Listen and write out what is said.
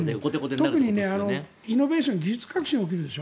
特にイノベーション技術革新が起きるでしょ。